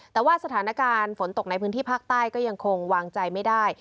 แต่ว่าสถานการณ์ฝนตกในพื้นที่ภาคใต้ก็ยังคงวางใจไม่ได้